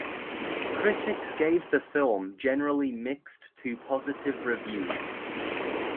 Critics gave the film generally mixed to positive reviews.